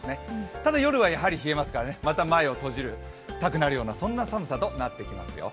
ただ、夜はやはり冷えますからまた前を閉じたくなるようなそんな寒さとなってきますよ。